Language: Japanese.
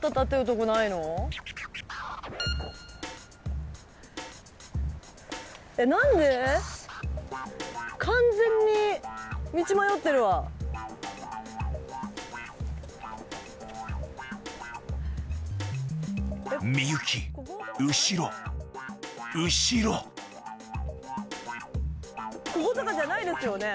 こことかじゃないですよね？